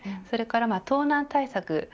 それから盗難対策